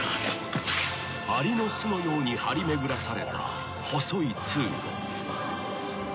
［アリの巣のように張り巡らされた細い通路］